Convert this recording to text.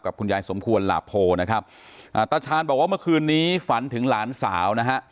คุณยายสมควรหลาโพนะครับอ่าตาชาญบอกว่าเมื่อคืนนี้ฝันถึงหลานสาวนะฮะ